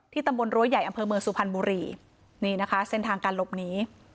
ตำบลรั้วใหญ่อำเภอเมืองสุพรรณบุรีนี่นะคะเส้นทางการหลบหนี